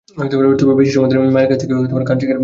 তবে বেশি সময় ধরে মায়ের কাছ থেকে গান শেখার সুযোগ আমার হয়নি।